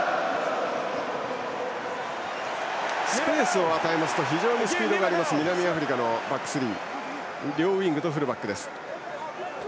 スペースを与えると非常にスピードがある南アフリカのバックスリー両ウイングとフルバック。